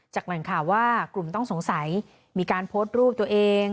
แหล่งข่าวว่ากลุ่มต้องสงสัยมีการโพสต์รูปตัวเอง